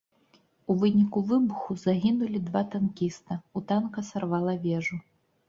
У выніку выбуху загінулі два танкіста, у танка сарвала вежу.